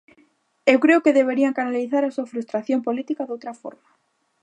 Eu creo que deberían canalizar a súa frustración política doutra forma.